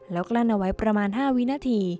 แล้วกลั้นเอาไว้ประมาณ๕วินาที